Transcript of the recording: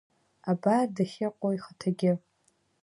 Абар дахьыҟоу ихаҭагьы!